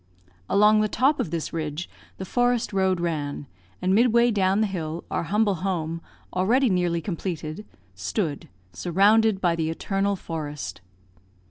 Along the top of this ridge, the forest road ran, and midway down the hill, our humble home, already nearly completed, stood, surrounded by the eternal forest.